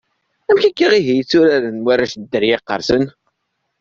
Amek akka ihi i tturaren warrac Dderya iqersen?